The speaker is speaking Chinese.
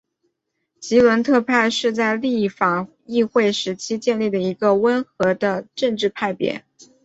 吉伦特派是在立法议会时期建立的一个温和的政治派别。